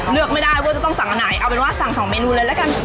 เลือกไม่ได้ว่าจะต้องสั่งอันไหนเอาเป็นว่าสั่งสองเมนูเลยละกัน